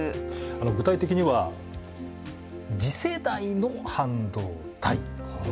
具体的には次世代の半導体。